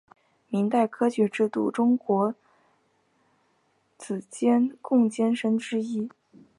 明代科举制度中国子监贡监生之一。